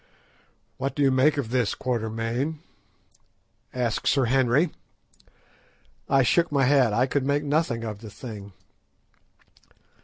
"What do you make of this, Quatermain?" asked Sir Henry. I shook my head, I could make nothing of the thing.